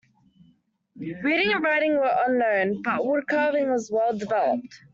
Reading and writing were unknown, but wood carving was well developed.